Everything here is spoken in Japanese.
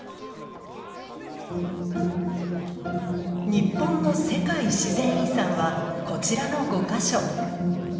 日本の世界自然遺産はこちらの５か所。